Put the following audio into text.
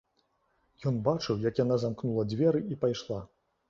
Ён бачыў, як яна замкнула дзверы і пайшла.